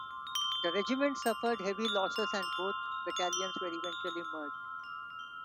The regiment suffered heavy losses and both battalions were eventually merged.